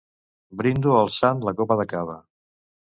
Brindo alçant la copa de cava.